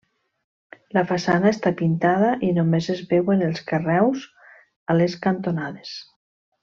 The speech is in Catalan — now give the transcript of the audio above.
La façana està pintada i només es veuen els carreus a les cantonades.